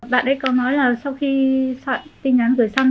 bạn ấy có nói là sau khi soạn tin nhắn gửi xong